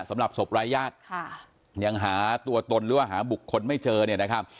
สำหรับศพรายญาติค่ะยังหาตัวตนหรือว่าหาบุคคลไม่เจอเนี่ยนะครับ